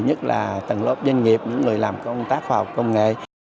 nhất là tầng lớp doanh nghiệp những người làm công tác khoa học công nghệ